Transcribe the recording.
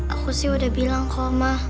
aku sih udah bilang ke oma